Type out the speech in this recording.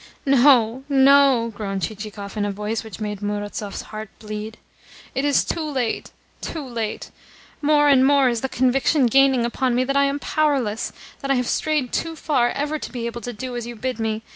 "No, no!" groaned Chichikov in a voice which made Murazov's heart bleed. "It is too late, too late. More and more is the conviction gaining upon me that I am powerless, that I have strayed too far ever to be able to do as you bid me.